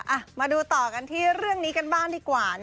อ่ะมาดูต่อกันที่เรื่องนี้กันบ้างดีกว่า